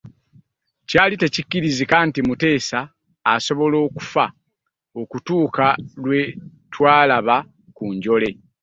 Kyali tekikkirizika nti Muteesa asobola okufa okutuuka lwe twalaba ku njole.